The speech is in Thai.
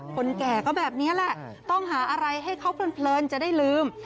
คนแก่ก็แบบนี้แหละต้องหาอะไรให้เขาเพลินจะได้ลืม